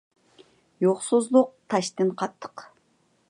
يوقسۇزلۇق تاشتىن قاتتىق.